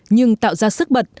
nhưng tạo ra sức bật